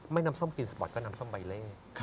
ไม่นำส้มกลิ่นสปอร์ตก็นำส้มใบเล่